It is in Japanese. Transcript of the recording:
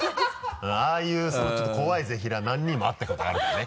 ああいう怖いぜひらー何人も会ったことあるからね。